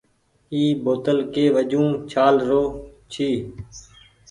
اي بوتل ڪي وجون ڇآل رو ڇي ۔